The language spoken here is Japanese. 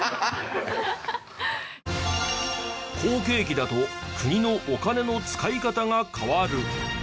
好景気だと国のお金の使い方が変わる。